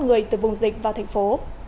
người từ vùng dịch vào thành phố